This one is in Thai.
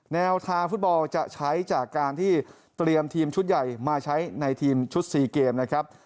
แนวทางฟุตบอลจะใช้จากการที่เตรียมทีมชุดใหญ่มาใช้ในทีมชุด๔เกมนะครับ